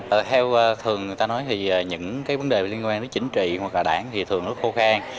theo thường người ta nói thì những vấn đề liên quan đến chính trị hoặc cả đảng thì thường rất khô khang